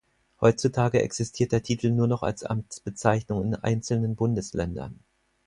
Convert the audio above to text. Heutzutage existiert der Titel nur noch als Amtsbezeichnung in einzelnen Bundesländern.